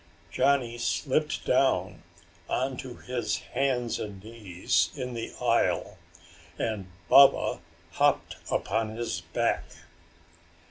Johnny slipped down on to his hands and knees in the aisle and Baba hopped upon his back.